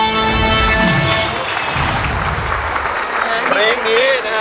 ๔มือ